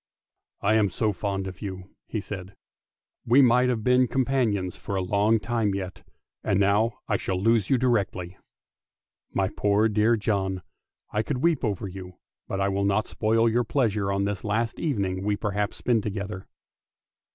" I am so fond of you," he said; " we might have been com panions for a long time yet, and now I shall lose you directly! ■' ANDERSEN'S FAIRY TALES My poor dear John, I could weep over you, but I will not spoil your pleasure on the last evening we perhaps may spend together.